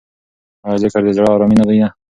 آیا ذکر د زړه ارامي نه ده؟